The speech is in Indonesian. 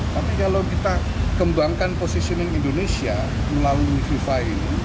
tapi kalau kita kembangkan positioning indonesia melalui fifa ini